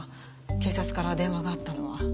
警察から電話があったのは。